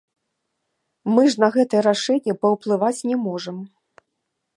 Мы ж на гэтае рашэнне паўплываць не можам.